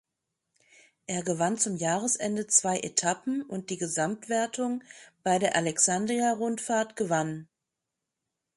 Er gewann zum Jahresende zwei Etappen und die Gesamtwertung bei der Alexandria-Rundfahrt gewann.